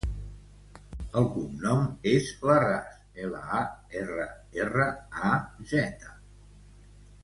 El cognom és Larraz: ela, a, erra, erra, a, zeta.